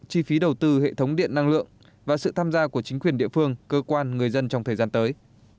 chi phí đầu tư hệ thống điện năng lượng và sự tham gia của chính quyền địa phương cơ quan người dân trong thời gian tới